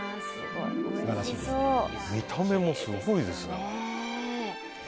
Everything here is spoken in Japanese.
見た目もすごいですね。